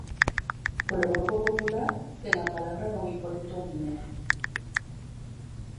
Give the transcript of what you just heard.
Polo Grupo Popular, ten a palabra don Hipólito Ubiña.